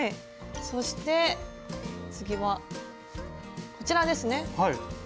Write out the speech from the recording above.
そして次はこちらですね。